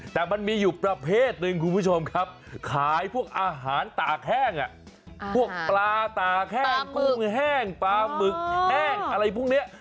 แต่มันมีอยู่ประเภทหนึ่งคุณผู้ชมครับขายพวกอาหารตากแห้งพวกปลาตากแห้งกุ้งแห้งปลาหมึกแห้งอะไรพวกนี้